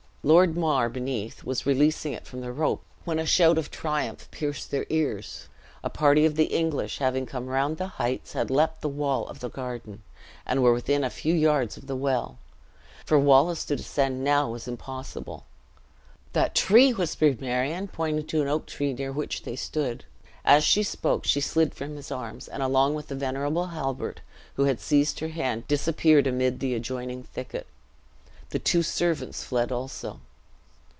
Lord Mar, beneath, was releasing it from the rope, when a shout of triumph pierced their ears. A party of the English, having come round the heights, had leaped the wall of the garden, and were within a few yards of the well. For Wallace to descend now was impossible. "That tree!" whispered Marion, pointing to an oak tree near which they stood. As she spoke, she slid from his arms, and along with the venerable Halbert, who had seized her hand, disappeared amid the adjoining thicket. The two servants fled also.